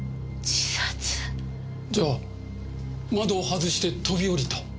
じゃあ窓を外して飛び降りた。